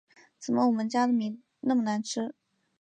怎么我们家的米那么难吃